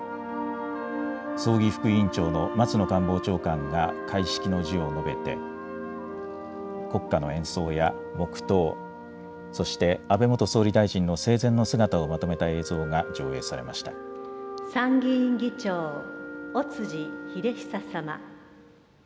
葬儀副委員長の松野官房長官が開式の辞を述べて、国歌の演奏や黙とう、そして安倍元総理大臣の生前の姿をまとめた映像が上映され参議院議長、尾辻秀久様。